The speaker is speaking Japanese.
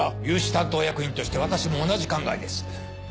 融資担当役員として私も同じ考えです。